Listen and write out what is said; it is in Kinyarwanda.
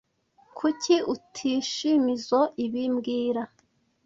Kuki utishimizoe ibi mbwira